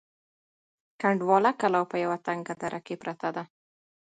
کنډواله کلا په یوه تنگه دره کې پرته وه.